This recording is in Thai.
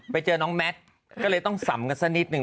ไปเจอน้องแมทก็เลยต้องสำกันสักนิดหนึ่ง